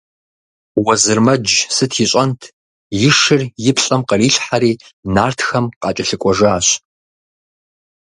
Уэзырмэдж сыт ищӏэнт – и шыр и плӏэм кърилъхьэри, нартхэм къакӏэлъыкӏуэжащ.